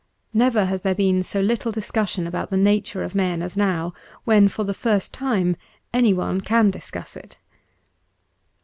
Never has there been so little discussion about the nature of men as now, when, for the first time, anyone can discuss it.